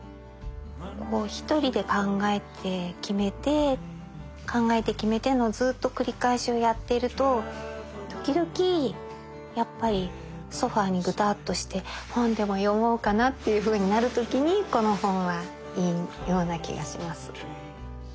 こう一人で考えて決めて考えて決めてのずっと繰り返しをやっていると時々やっぱりソファーにグタッとして本でも読もうかなっていうふうになる時にこの本はいいような気がします。